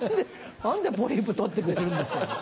何でポリープ取ってくれてるんですか。